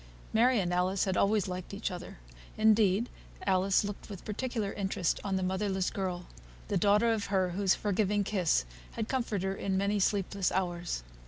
Mary and Alice had always liked each other; indeed, Alice looked with particular interest on the motherless girl, the daughter of her whose forgiving kiss had so comforted her in many sleepless hours.